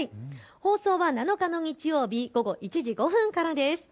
放送は７日の日曜日午後１時５分からです。